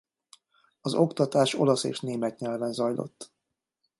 Az oktatás olasz és német nyelven zajlott.